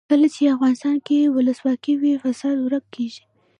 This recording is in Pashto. کله چې افغانستان کې ولسواکي وي فساد ورک کیږي.